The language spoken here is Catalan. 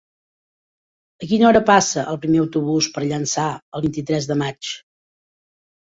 A quina hora passa el primer autobús per Llançà el vint-i-tres de maig?